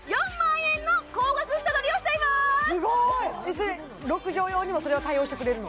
それ６畳用にもそれは対応してくれるの？